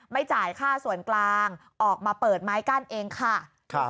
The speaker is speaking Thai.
ไม่จ่ายค่าส่วนกลางออกมาเปิดไม้กั้นเองค่ะ